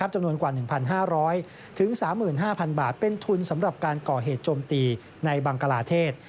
จำนวนกว่า๑๕๐๐๓๕๐๐บาทเป็นทุนสำหรับการก่อเหตุโจมตีในบังกลาเทศ